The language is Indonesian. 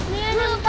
mi ada yang takut